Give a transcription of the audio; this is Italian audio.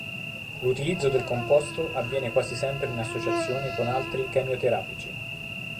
L'utilizzo del composto avviene quasi sempre in associazione con altri chemioterapici.